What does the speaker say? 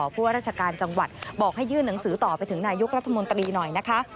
ผู้ว่าราชการจังหวัดบอกให้ยื่นหนังสือต่อไปถึงนายกรัฐมนตรีหน่อยนะคะ